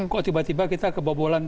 kok tiba tiba kita kebobolan